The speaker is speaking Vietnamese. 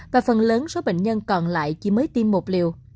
và phần lớn số bệnh nhân còn lại chỉ mới tiêm một liều